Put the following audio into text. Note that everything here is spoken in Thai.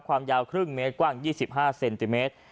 ความยาวครึ่งเมตรกว้าง๒๕เซนติเมตร